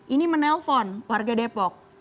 ini menelpon warga depok